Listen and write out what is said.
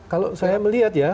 kalau saya melihat ya